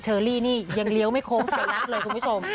อรี่นี่ยังเลี้ยวไม่โค้งไปนักเลยคุณผู้ชม